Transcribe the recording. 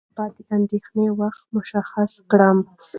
زه به سبا د اندېښنې وخت مشخص کړم.